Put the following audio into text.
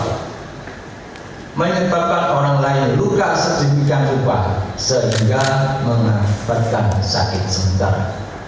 dua menyebabkan orang lain luka sedemikian lupa sehingga menyebabkan sakit sementara